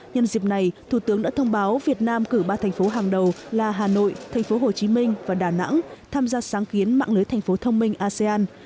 nhân dịp này thủ tướng đã thông báo việt nam cử ba thành phố hàng đầu là hà nội thành phố hồ chí minh và đà nẵng tham gia sáng kiến mạng lưới thành phố thông minh asean